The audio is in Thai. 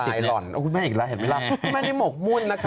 สไตล์หล่อนเขาขอให้อีกแล้วมาให้มกมุ่นนะคะ